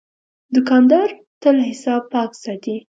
دوکاندار تل حساب پاک ساتي.